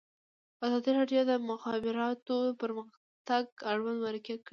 ازادي راډیو د د مخابراتو پرمختګ اړوند مرکې کړي.